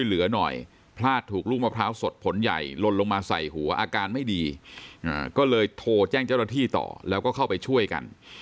เลยโทรแจ้งเจ้าหน้าที่ต่อแล้วก็เข้าไปช่วยกัน